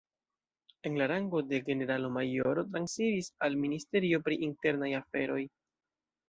En la rango de generalo-majoro transiris al Ministerio pri Internaj Aferoj.